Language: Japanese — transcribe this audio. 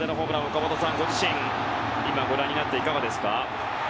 岡本さん、ご自身ご覧になっていかがですか？